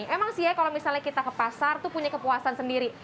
emang sih ya kalau misalnya kita ke pasar tuh punya kepuasan sendiri